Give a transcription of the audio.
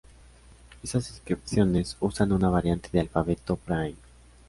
Estas inscripciones usan una variante del alfabeto brahmi.